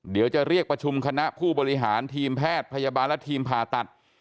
เดี๋ยวจะเรียกประชุมคณะผู้บริหารทีมแพทย์พยาบาลและทีมผ่าตัด